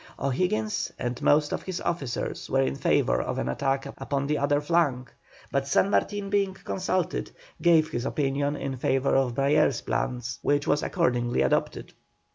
O'Higgins and most of his officers were in favour of an attack upon the other flank; but San Martin being consulted, gave his opinion in favour of Brayer's plan, which was accordingly adopted.